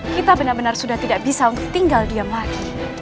kita benar benar sudah tidak bisa untuk tinggal diam lagi